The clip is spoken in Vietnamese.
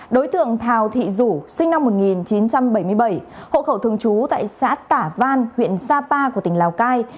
đối tượng thào thị dũ sinh năm một nghìn chín trăm bảy mươi bảy hộ khẩu thường trú tại xã tả văn huyện sa pa của tỉnh lào cai